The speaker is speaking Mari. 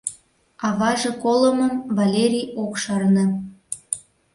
Аваже колымым Валерий ок шарне.